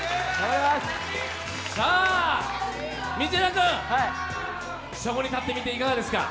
君、そこに立ってみていかがですか？